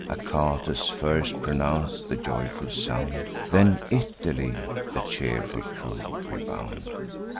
Achates first pronounc'd the joyful sound; Then, 'Italy!' the cheerful crew rebound.